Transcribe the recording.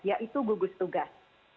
yaitu gugus tugas